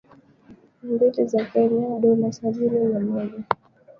mbili za Kenya dola sabini na moja